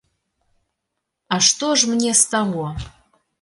А што ж мне з таго?